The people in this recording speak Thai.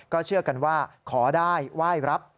เชื่อกันว่าขอได้ไหว้รับ